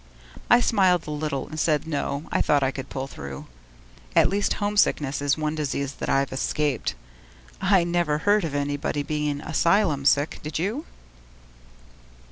I smiled a little and said no; I thought I could pull through. At least homesickness is one disease that I've escaped! I never heard of anybody being asylum sick, did you?